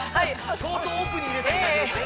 相当奥に入れたいわけですね。